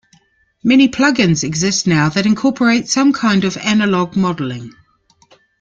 Many plug-ins exist now that incorporate some kind of analog modeling.